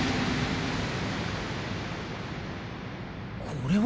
これは。